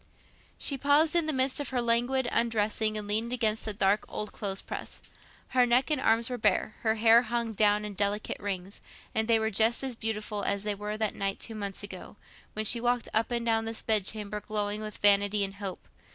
She paused in the midst of her languid undressing and leaned against the dark old clothes press. Her neck and arms were bare, her hair hung down in delicate rings—and they were just as beautiful as they were that night two months ago, when she walked up and down this bed chamber glowing with vanity and hope.